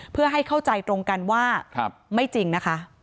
เพื่อให้เข้าใจตรงกันว่าไม่จริงนะคะ